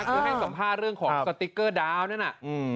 คือให้สัมภาษณ์เรื่องของสติ๊กเกอร์ดาวนั่นน่ะ